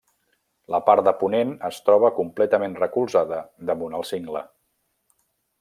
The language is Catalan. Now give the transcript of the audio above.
La part de ponent es troba completament recolzada damunt el cingle.